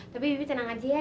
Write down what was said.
tapi bibi senang aja ya